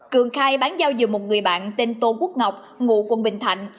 cường khai bán giao dùm một người bạn tên tô quốc ngọc ngụ quân bình thạnh